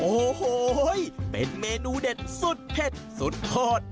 โอ้โหเป็นเมนูเด็ดสุดเผ็ดสุดทอด